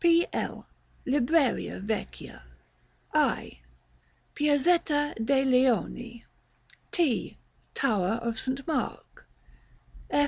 P. L. Libreria Vecchia. I. Piazzetta de' Leoni. T. Tower of St. Mark.